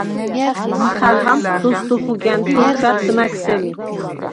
მჷხა̈რ ჰამს დოსდ ოხუგა̈ნდ ი ოჩვა̈დდ მა̈გ სემი.